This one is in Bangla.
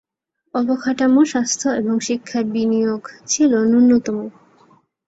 অবকাঠামো, স্বাস্থ্য এবং শিক্ষায় বিনিয়োগ ছিল ন্যূনতম।